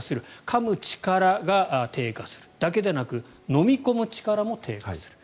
かむ力が低下するだけでなく飲み込む力も低下する。